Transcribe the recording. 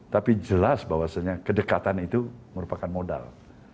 tapi jelas bahwasannya kedekatan itu merupakan modal